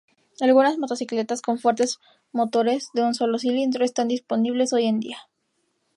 Algunas motocicletas con fuertes motores de un solo cilindro están disponibles hoy en día.